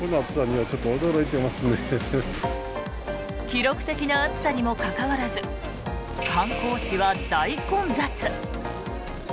記録的な暑さにもかかわらず観光地は大混雑。